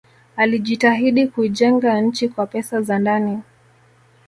alijitahidi kuijenga nchi kwa pesa za ndani